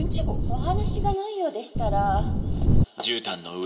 お話がないようでしたら。